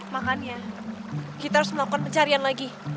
makanya kita harus melakukan pencarian lagi